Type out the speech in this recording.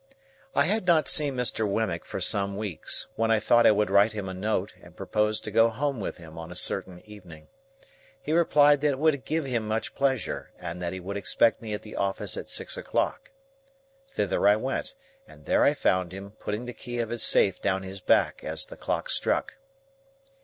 I had not seen Mr. Wemmick for some weeks, when I thought I would write him a note and propose to go home with him on a certain evening. He replied that it would give him much pleasure, and that he would expect me at the office at six o'clock. Thither I went, and there I found him, putting the key of his safe down his back as the clock struck.